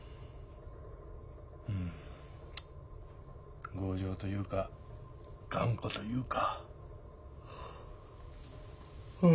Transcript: うん強情というか頑固というか。はああ。